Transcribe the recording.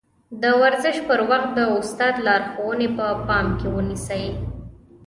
د ورزش پر وخت د استاد لارښوونې په پام کې ونيسئ.